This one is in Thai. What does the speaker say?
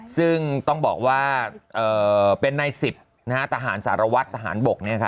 ซึ่งต้องบอกว่าเป็นใน๑๐ทหารสารวัตรทหารบก